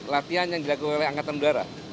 latihan yang dilakukan oleh angkatan udara